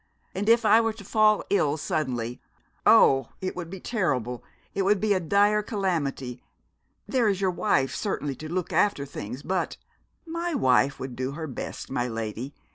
And if I were to fall ill suddenly ' 'Oh, it would be terrible, it would be a dire calamity! There is your wife, certainly, to look after things, but ' 'My wife would do her best, my lady.